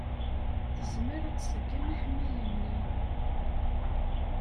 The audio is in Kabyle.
Tezmer ad tṣeggem aḥemmay-nni.